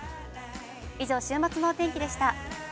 以上、週末のお天気でした。